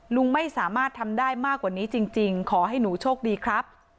ลุงไม่สามารถทำได้มากกว่านี้จริงขอให้หนูโชคดีครับ